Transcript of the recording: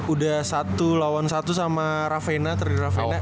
udah satu lawan satu sama raveena terdiri raveena